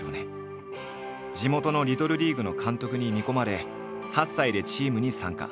地元のリトルリーグの監督に見込まれ８歳でチームに参加。